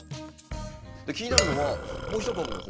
気になるのはもう一株の方。